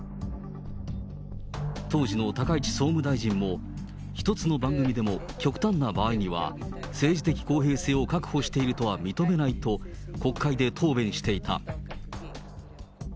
当時の高市総務大臣も、一つの番組でも極端な場合には、政治的公平性を確保しているとは認めないと、国会で答弁していた。